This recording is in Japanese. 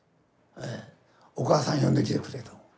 「お母さん呼んできてくれ」と。